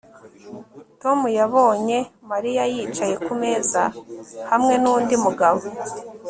Tom yabonye Mariya yicaye kumeza hamwe nundi mugabo